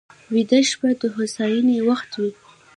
ویده شپه د هوساینې وخت وي